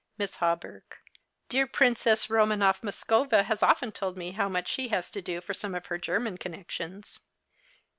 Miss Hawberk. Dear Princess Komanoff Moscova has often told me how much she has to do for some of her German connections.